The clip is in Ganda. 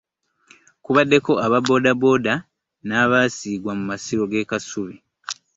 Kubaddeko aba booda booda n'abasiigwa mu masiro g'ekasubi.